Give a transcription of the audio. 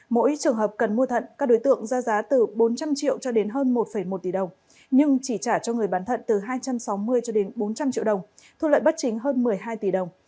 mỗi trường hợp cần mua thận các đối tượng ra giá từ bốn trăm linh triệu cho đến hơn một một tỷ đồng nhưng chỉ trả cho người bán thận từ hai trăm sáu mươi cho đến bốn trăm linh triệu đồng thu lợi bất chính hơn một mươi hai tỷ đồng